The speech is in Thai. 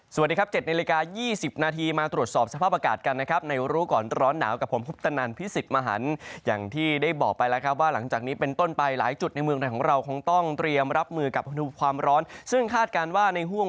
สวัสดีครับ๗นาฬิกา๒๐นาทีมาตรวจสอบสภาพอากาศกันนะครับในรู้ก่อนร้อนหนาวกับผมคุปตนันพิสิทธิ์มหันอย่างที่ได้บอกไปแล้วครับว่าหลังจากนี้เป็นต้นไปหลายจุดในเมืองไทยของเราคงต้องเตรียมรับมือกับความร้อนซึ่งคาดการณ์ว่าในห่วง